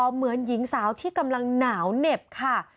เหมือนหญิงสาวที่กำลังหนาวเหน็บค่ะ